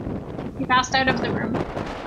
He passed out of the room.